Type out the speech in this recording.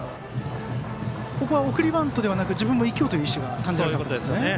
ここは送りバントではなく自分も生きようという意思が感じられたんですね。